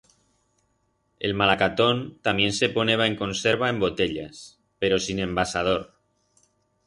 El malacatón tamién se poneba en conserva en botellas, pero sin envasador.